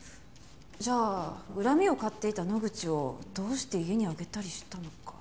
じゃあ恨みを買っていた野口をどうして家に上げたりしたのか。